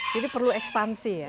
jadi perlu ekspansi ya